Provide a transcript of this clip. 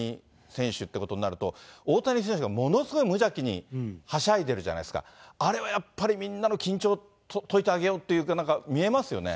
知ってるのはダルビッシュ投手と、大谷選手ということになると、大谷選手が、ものすごい無邪気にはしゃいでるじゃないですか、あれはやっぱりみんなの緊張を解いてあげようというか、見えますよね。